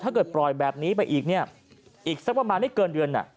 ปล่อยแบบนี้ไปอีกเนี่ยอีกสักประมาณไม่เกินเดือน